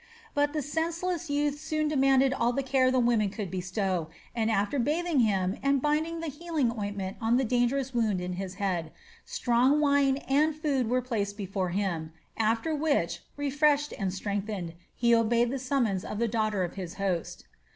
But the senseless youth soon demanded all the care the women could bestow, and after bathing him and binding a healing ointment on the dangerous wound in his head, strong wine and food were placed before him, after which, refreshed and strengthened, he obeyed the summons of the daughter of his host.